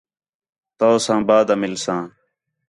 تَونساں بعد آ مِلساں